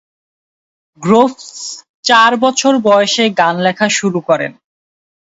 Groves চার বছর বয়সে গান লেখা শুরু করেন।